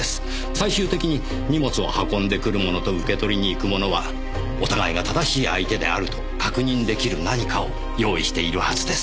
最終的に荷物を運んでくる者と受け取りに行く者はお互いが正しい相手であると確認出来る何かを用意しているはずです。